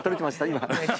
今。